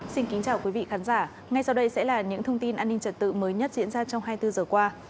xin kính chào quý vị khán giả ngay sau đây sẽ là những thông tin an ninh trật tự mới nhất diễn ra trong hai mươi bốn giờ qua